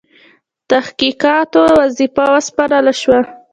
تحقیقاتو وظیفه وسپارله شوه.